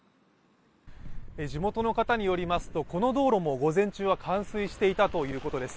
地元の方によりますとこの道路も、午前中は冠水していたということです。